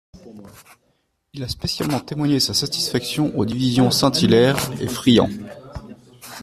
Il a spécialement témoigné sa satisfaction aux divisions Saint-Hilaire et Friant.